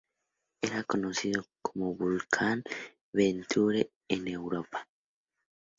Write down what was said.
Era conocido como Vulcan Venture en Europa.